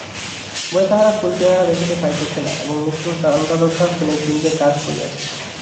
ভয়ে তাহারা কূলকিনারা দেখিতে পাইতেছে না, এবং মৃত্যুর দণ্ডদাতা সৈনিকবৃন্দের ডাক পড়িয়াছে।